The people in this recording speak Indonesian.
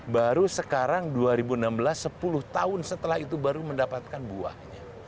baru sekarang dua ribu enam belas sepuluh tahun setelah itu baru mendapatkan buahnya